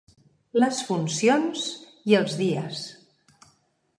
Les funcions i els dies